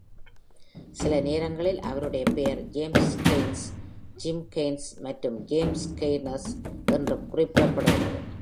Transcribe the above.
சில நேரங்களில் அவருடைய பெயர் ஜெய்ம்ஸ் கெய்ன்ஸ், ஜிம் கெய்ன்ஸ் மற்றும் ஜேம்ஸ் கெய்னர்ஸ் என்றும் குறிப்பிடப்படுகிறது.